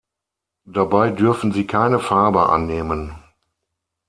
Dabei dürfen sie keine Farbe annehmen.